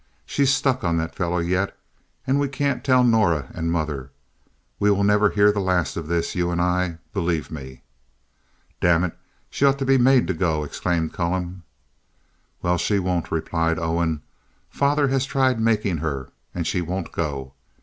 She's struck on that fellow yet, and we can't tell Norah and mother. We will never hear the last of this, you and I—believe me." "Damn it, she ought to be made to go," exclaimed Callum. "Well, she won't," replied Owen. "Father has tried making her, and she won't go.